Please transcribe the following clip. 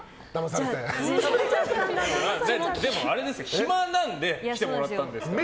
でも、暇なんで来てもらったんですから。